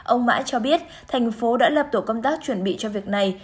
ông mãi cho biết thành phố đã lập tổ công tác chuẩn bị cho việc này